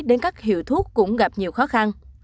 đến các hiệu thuốc cũng gặp nhiều khó khăn